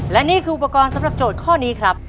และนี่คืออุปกรณ์สำหรับโจทย์ข้อนี้ครับ